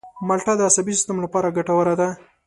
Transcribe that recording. مالټه د عصبي سیستم لپاره ګټوره ده.